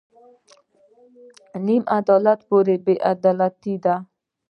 نیم عدالت پوره بې عدالتي ده.